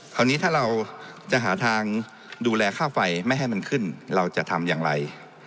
คราวนี้ถ้าเราจะหาทางดูแลค่าไฟไม่ให้มันขึ้นเราจะทำอย่างไร